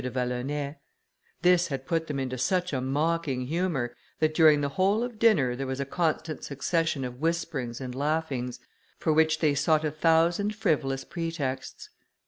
de Vallonay; this had put them into such a mocking humour, that during the whole of dinner, there was a constant succession of whisperings and laughings, for which they sought a thousand frivolous pretexts.